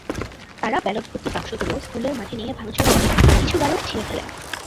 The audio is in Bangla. তারা ব্যালটভর্তি বাক্সগুলো স্কুলের মাঠে নিয়ে ভাঙচুর করে, কিছু ব্যালট ছিঁড়ে ফেলে।